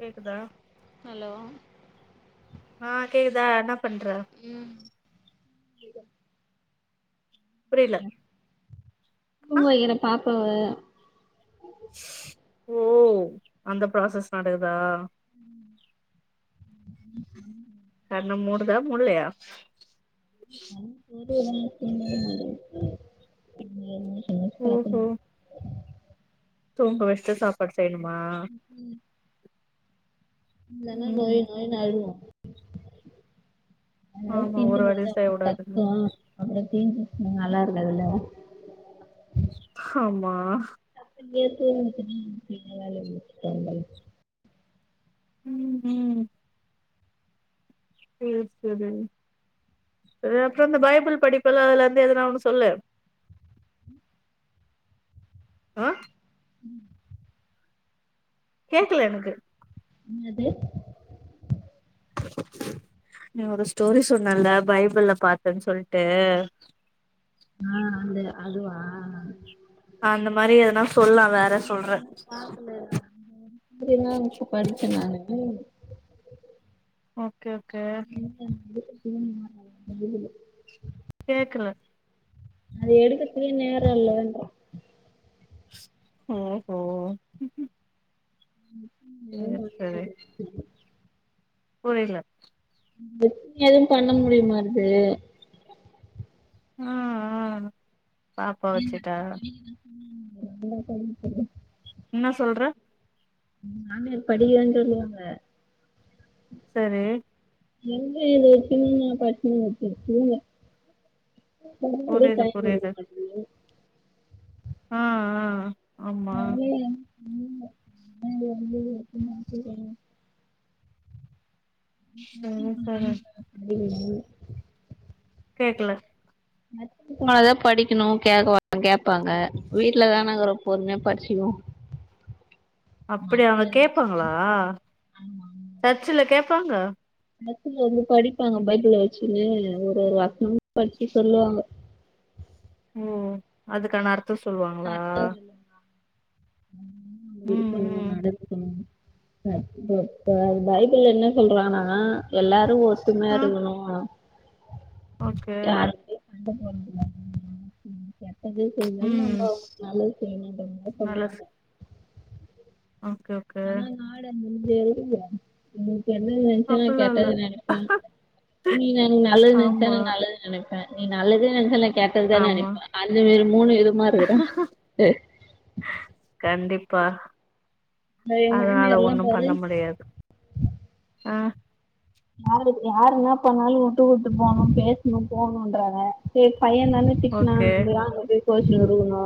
கேக்குதா அலோ ஆ கேக்குதா என்னா பண்ற ம் புரிய்ல தூங் வெக்கிறே பாப்பா வ ஓ அந்த ப்ராசஸ் நடக்தா கண்ண மூடுதா மூட்லையா தன் கீழே மன் கீழே என்னாது [unintelligible] ம் ம் தூங்க வச்சுட்டு சாப்பாடு செய்யணுமா ம் இல்லனா ம் நொய் நொய்யினு அழுவா அதாவது ஆமா தீந்து ஒரு போது வேலையு அப்புற செய்யக்கூடாதுன்னு தட்டு அப்புற தீஞ்ச போனா நல்லா இருக்காதுல ஆமா [unintelligible] ம் ம் சேர் சேரி அப்புற இந்த பைபிள் படிப்பு எல்லா அதுல இருந்து எதுனா ஒன்னு சொல்லு ஆ கேக்கல எனக்கு என்னது நீ ஒரு ஸ்டோரி சொன்னல்ல பைபிள்ல பாத்தேன் சொல்லிட்டு ஆ அந்த அதுவா அந்த மாரி எதனா சொல்லே வேற சொல்ற [unintelligible] இப்ப படிச்சே நானு ஓகே ஓகே [unintelligible] கேக்கல அது எடுக்கத்துகே நேர இல்லன்றா ஓ ஓ சேர் சரி புரியல எதுவும் பண்ண முடியுமாது ஆ ஆ பாப்பா வச்சுட்டா ம் [unintelligible] என்னா சொல்ற நானே படிக்கலன்னு சொல்லுவாங்க சேரி எங்க எது வச்சுனு பட்ச்சு முச்சுச்சு உ கூ புரியுது டைம் வரு புரியுது [unintelligible] ஆ ஆ ஆமா [unintelligible] சரி சரி [unintelligible] கேக்கல [unintelligible] உங்களதா படிக்கணு [unintelligible] கேப்பாங்க வீட்லதானக்கிறோ பொறுமயா படிச்சுகுவோ அப்டியா அவங்க கேப்பாங்களா சர்ச்சுல கேப்பாங்க சர்ச்சுல வந்து படிப்பாங்க பைபிள வச்சுனு ஒரு ஒரு அக்க படிச்சு சொல்லுவாங்க ஓ அதுக்கான அர்த்த சொல்லுவாங்களா ம் விருப்ப ம் இல்ல ம் நடக்கணும் அ பைபிள்ள என்ன சொல்றானா எல்லாரு ஒ துமயா ஆ இருக்கணு ஓகே யாரு [unintelligible] ம் கேட்டதே செய்ஞ்சாலு நம்ம ம் அவுங்களுக்கு நல்லது செய்யணுன்ற மாரி தா நல்ல சொல்றாங்க ஓகே ஓகே நாதா நாட முடிஞ்சி நீ கெட்டது நெனச்சேன்னா அப்டிலா இல்ல கேட்டது நெனைப்பே நீ நல்லது நெனச்ச ஆமா நா நல்லது நினைப்பே நீ நல்லதே நினைச்சாலு நா கேட்டதுதா ஆமா நினைப்பே அந்த மாரி மூணு விதமா இருக்கிறே கண்டிப்பா இந்த என் அதனால மாமியார் எல்லாம் ஒண்ணு பாரு பண்ண முடியாது ஆ யாரு யாரு என்ன பண்ணாலு விட்டு குடுத்து போகணு பேசணு போகணுன்றாங்க சேரி பைய தானே திட்னா ஓகே ஏ அங்க போய் கோச்சின்னு வருதுக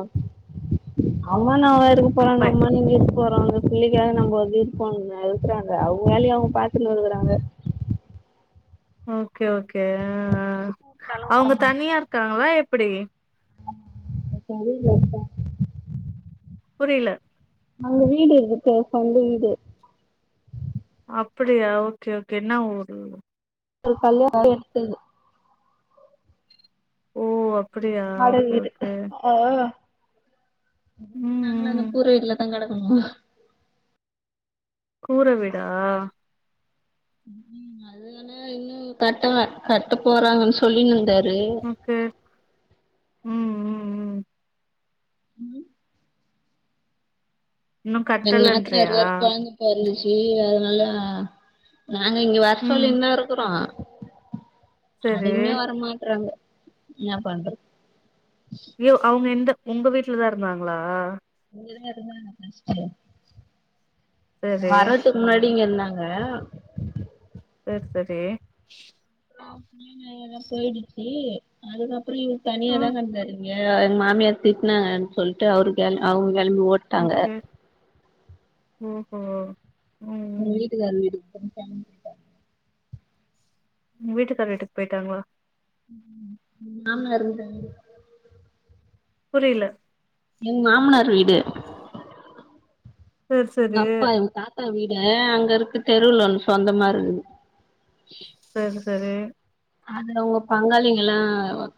அம்மா நா எதுக்கு போறாங்க பை அம்மா நீங்க இரு போறோ அந்த புள்ளைக்காக நம்ம வந்து இருப்போ இருக்கிறாங்க அவுங்க வேலையு அவுங்க பாத்துன்னு இருகுறாங்க ஓகே ஓகே அ ஆ இருந்தாலு வர அவுங்க மாட்றாங்க தனியா இருக்காங்களா எப்டி சரிலப்பா புரியல அங்க வீடு இருக்கு தே சொந்த வீடு அப்டியா ஓகே ஓகே என்ன ஊரு ஒரு கல்யாண தப்ப எடுத்தது ஓ அப்டியா வாடக ஓகே வீடு ஓகே ஆ ம் நாங்கள அந்த ம் கூற வீடல தா கிடக்கணு கூற வீடா ம் அத அனா இன்னு கட்டல கட்ட போறாங்கன்னு சொல்லினுந்தாரு க்கு ம் ம் ம் உ இன்னு எங்க கட்டலன்றியா நாத்தனாறுக்கு வேற கொழந்த பெறந்துசு அதனால நாங்க இங்க ம் வரசொல்லினு தா இருக்கறோ சரி அதுவுமே வரமாட்றாங்க என பண்றது யோ அவுங்க எந்த உங்க வீட்டுல தா இருந்தாங்களா நீங்க இருங்க இருங்க எனக்கு பிரச்சன இல்ல சரி வர்றதுக்கு முன்னாடி இங்க இருந்தாங்க சேரி சேரி அப்படியா நல்லாதா போயிடுச்சு அதுக்கப்றோ இவரு தனியா தா ம் கிடந்தாரு இங்க எங்க மாமியார் திட்டினங்கன்னு சொல்லிட்டு அவரு அவுங்க கிளம்பி ஓ ஓகே ஓ ஓ அவுங்க வீட்டுகாரர் வீட்டுக்கு கிளம்பிடாங்க வீட்டுக்கார வீட்டுக்கு போயிட்டாங்களா ம் மாமனார் இருந்தாரு புரில எங்க மாமனார் வீடு சரி எங்க சரி அப்பா இவுங்க தாத்தா வீட அங்க இருக்கு தெருல ஒன்னு சொந்தமா இருக்குது செரி செரி அது ஒங்க பங்காளிங்க எல்லா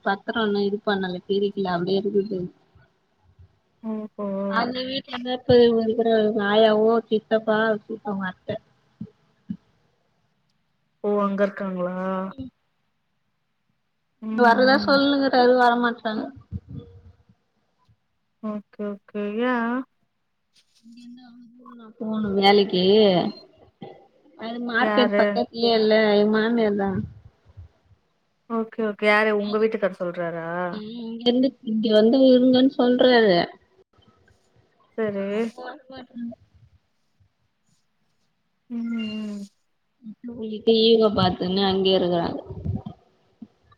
பத்ரோ இன்னு இதுப்பன்னல பிரிக்கல அப்டியே இருக்குது ஓ ஓ அவுங்க வீட்டு்ல இந்த பெரியவங்க இருக்குரவங்க இருக்கிற ஆயாவோ சித்தப்பா அப்றோ அவுங்க அத்த ஓ அங்க இருக்காங்களா ம் வர்றதா ம் சொல்லுணுக்றாரு வர மாட்றாங்க ஓகே ஓகே ஏ என்ன [inaudible] நா போணு வேலைக்கு அது மார்க்கெட் யாரு பக்கத் இல்ல இல்ல எ மாமியார் தா ஓகே ஓகே யாரு உங்க வீட்டுக்காரர் சொல்றாரா இங்க இருந்து இங்க வந்து இருங்கனு சொல்றாரு சரி அப்போ வருவாருன் ம் ம் [unintelligible] பாத்துனு அங்கயே இருக்குறாங்க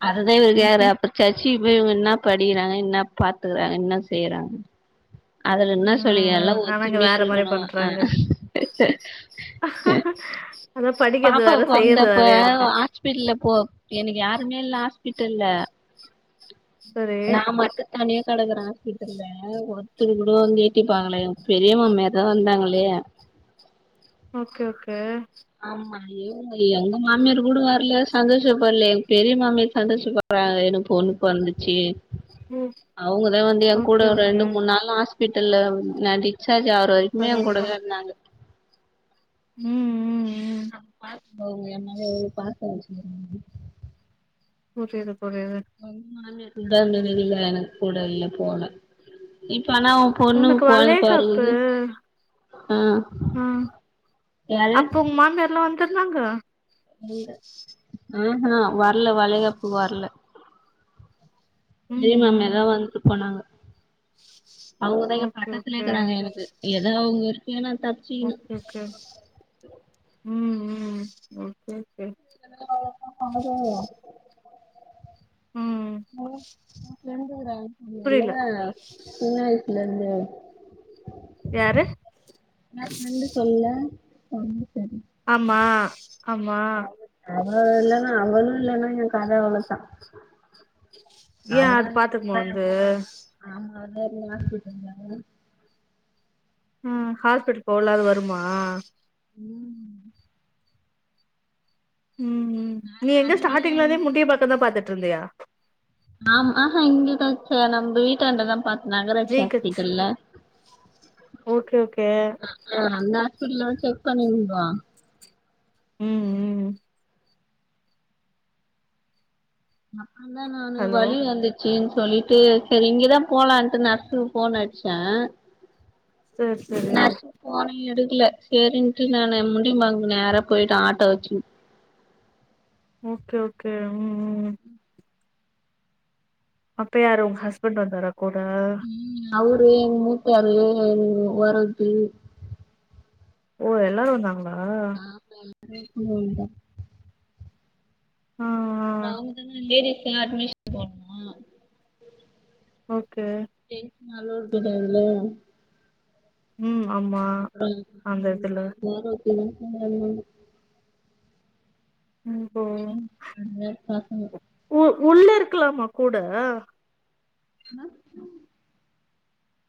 அதுதா இவரு ம்ஹும் கேக்றாரு சர்ச்சிக்கி போய் இவுங்க என்ன படிக்குறாங்க என்ன பாத்துக்கறாங்க என்ன செய்றாங்க அதுல என்ன ஆ சொல்லிக்ராங்க எல்லா ஆனா இங்க ஒத்துமையா வேற மாரி இருக்கணு அ பண்றாங்க அ அதா படிக்கிறது வேற செய்றது வேறையா இருக்கு பில்லப்போ எனக்கு யாருமே இல்ல ஹாஸ்பிட்டல்ல சரி நா மட் தனியா கெடக்குறே ஆஸ்பிட்டல்ல ஒத்தரு கூட வந்து எட்டிப்பாக்கலயே பெரிய மாமியார்தா வந்தாங்களே ஓகே ஓகே ஆம்மா ஏ எங்க மாமியார் கூட வர்ல சந்தோஷப்படல ஏ பெரிய மாமியார் சந்தோஷப்பட்றாங்க எனக்கு பொண்ணு பொறந்துச்சி ம் அவுங்கதா வந்து என் கூட ஓகே ஒரு ஓகே ரெண்டு மூணு நாள் ஹாஸ்பிட்டல்ல நடி டிஸ்சார்ஜ் ஆவுர வரைக்குமே எங்க பரவால்ல கூடவே இருந்தாங்க ம் ம் ம் அப்ப பாத்துக்கோங்க எ மேல எவ்ளோ பாசோ வச்சுக்குராங்கனு புரியுது புரியுது இதுவரைக்கு மாமியார் கூட இருந்தது இல்ல எனக் கூட இல்ல போல இப்ப ஆனா பொண்ணு உனக்கு கொழந்த வளைகாப்பு பொறக்குது ஆ யாரு அப்ப உங்க மாமியார்லா வந்துருந்தாங்க ஆஹா வர்ல வளைகாப்புக்கு வர்ல ம் லில்லி மேம் ம் எல்லா வந்துட்டு போனாங்க அவுங்கதா இங்க ஓகே பக்கத்துலே ஓகே இருக்கறாங்க எனக்கு எதோ அவுங்க இருக்கவே நா தப்பிச் ஓகே ஓகே ம் ம் ஓகே ஒகே [unintelligible] பண்ணுது ம் அ உன் ஃப்ரென்டு வராங்கனு புரியல சொன்னில சின்ன வயசுலேர்ந்து யாரு ஏ ஃப்ரென்டு சொல்லல [unintelligible] ஆமா ஆமா அவ இல்லனா அவளு இல்லனா என் கத அவ்ளதா ஏ அது பாத்துக்குமா போறே வந்து போறேன்னா ஆமா நேர்ல ஹாஸ்பிட்டல் வந்தாங்க ம் ஹாஸ்பிட்டல் போல அது வருமா ம் ம் ம் நான் நீ எங்க யாரும் இல்ல ஸ்டார்டிங்லேந்தே முட்டய பக்கோ தா பாத்துட்டு இருந்தியா ஆமா ஆ ஹா இங்கதா அட்சயா நம்ம வீட்டாண்டதா பாத்தே நகராட்சி ஜி ஹச் ஹாஸ்பிட்டல்ல ஓகே ஓகே அ ஆ அந்த ஹாஸ்பிட்டல வந்து செக் பண்ணிங்கோ ம், ம் அப்றந்தா நானு ஹலோ வலி வந்து ச்சின்னு சொல்லிட்டு சேரி இங்கதா போலான்ட்டு நர்ஸ்க்கு ஃபோன் அடிச்சே சரி சரி நர்ஸ் ஃபோனே எடுக்கல, சேரின்ட்டு நானு முடிமாங்கு நேரா போயிட்டே ஆட்டோ வச்சுக்கினு ஓகே ஓகே ம், ம், ம் அப்ப யாரு உங்க ஹஸ்பண்ட் வந்தாரா கூட ம், அவரு எங்க மூத்தாரு, ம், வேற ஒருத்தரு ஓ எல்லாரு வந்தாங்ளா ஆமா எல்லாரு இழுத்துனு போயிட்ட ஆ ஆ அப்றோ அவங்கல்லா லேடீஸ்க்கு அட்மிஷன் போட் ஓகே ஜென்ஸ் அலோட் கடையாது இல்ல ம் ஆமா அப்றோ அந்த இதுல இது போறதுக்கு [unintelligible] நீ போ, பசங்க உ உள்ள இருக்கலாமா கூட என்ன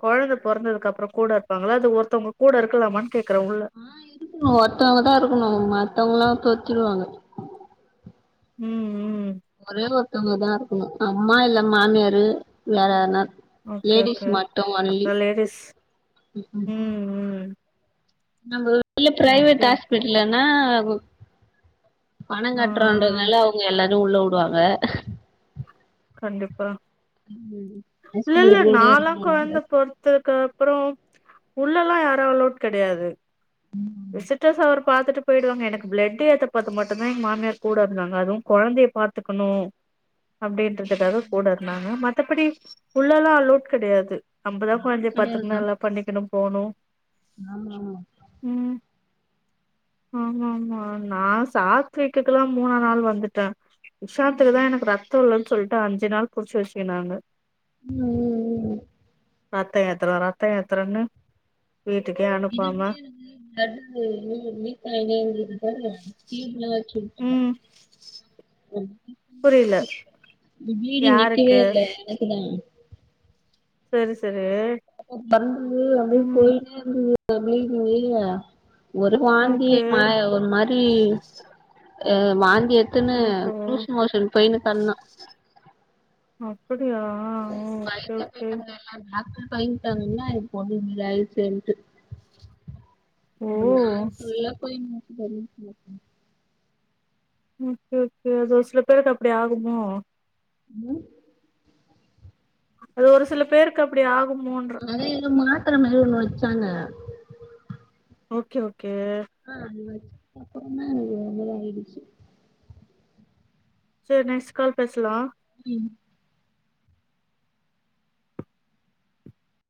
கொழந்த பொறந்ததுக்கு அப்றோ கூட இருப்பாங்ளா அது ஒருத்தவங்க கூட இருக்கலாமனு கேக்குறே உள்ள இருக்னு ஒருத்தவங்தா இருக்கணு மத்தவங்கல்லா தொரத்திருவாங்க ம் ம் ஒரே ஒருத்தவங்கதா இருக்கணு, அம்மா இல்ல மாமியாரு வேற யாருன்னா ஓகே ஓகே ஒருத்த லேடிஸ், ம், ம் நம்மளுக்கு இல்ல பிரைவேட் ஓகே ஹாஸ்பிட்டலுனா உ பண ஆ ஆ கட்டுறோன்றதுனால அவங்க எல்லாரயு உள்ள வுடுவாங்க கண்டிப்பா ஹஸ்பண்ட் இல்லல்ல கூடயே நான்லா இருக்கணும்ல கொழந்த பொறத்துருக்க அப்றோ உள்ள அல்லா யாரு அலோட் கெடையாது விசிட்டர்ஸ் அவர் பாத்துட்டு போயிடுவாங்க எனக்கு பிளட் ஏத்தும்போது மட்டும்தா எங்க மாமியார் கூட இருந்தாங்க அதுவு கொழந்தைய பாத் துக்கணு அப்டின்ற துக்காக கூட இருந்தாங்க மத்தபடி உள்ளல்லா அலோட் கெடையாது நம்பதா அலோடு கொழந்தய கெடையாதுதா பாத்துக்ணு எல்லா பண்ணிக்கணு போணு ஆமா ஆமா ம் ஆமா ஆமா நா சாத்விக்குக்குல்லா மூணா நாள் வந்துட்டே விஷாத்துக்குதா ம் எனக்கு ரத்த இல்லன்னு சொல்ட்டு அஞ்சு நாள் புடிச்சு வச்சுக்கினாங்க ன்னா ரத்த ஏத்துற ரத்த ஏத்துறன்னு வீட்டுக்கே அனுப் இதுவுமே எனக்கு பிளட் வந்து லீக் ஆயினே இருந்துது பாரு டியூப்ல [inaudible] புரியல ப்ளீடிங் நிக்கவே இல்ல எனக்குதா சரி சரி அவ பெறந்து அப்டியே போயினே இருந்துதா பிளீடிங்கு ஒரு வாந்தி ஓகே மா ஒரு மாரி அ வாந்தி எடு த்ன்னு ஓஹோ லூஸ் மோஷன் போயின்னு கந்தா அப்புடியா ஓ ஓகே ஓகே அ டாக்டர் சொல்லிட்டாங்கல இதுக் ஒன்னு இல்ல இது செண்ட்டு ஓ நா சொல்ல போய் [unintelligible] ஓகே ஓகே அது சில பேருக்கு அப்டி ஆகுமோ ம் அது ஒரு சில பேருக்கு அப்டி ஆகுமோனு அத ஏதோ மாத்ர மாதிரி ஒன்னு வச்சாங்க ஓகே ஓகே ஆ அது வச்சதுகப்புறோ தா ஏதோ ஆயிடுச்சு சோ நெஸ் கால் பேசலா ம்